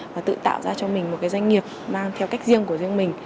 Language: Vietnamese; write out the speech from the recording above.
và tự tạo ra cho mình một doanh nghiệp mang theo cách riêng của riêng mình